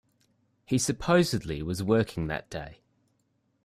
He supposedly was working that day.